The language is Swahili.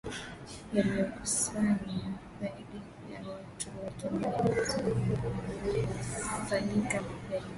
yaliokusanya zaidi ya watu laki mbili na hamsini maandamano haya yamefanyika mapema